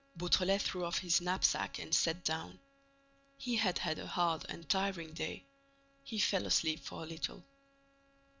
Beautrelet threw off his knapsack and sat down. He had had a hard and tiring day. He fell asleep for a little.